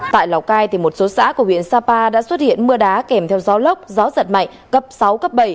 tại lào cai một số xã của huyện sapa đã xuất hiện mưa đá kèm theo gió lốc gió giật mạnh cấp sáu cấp bảy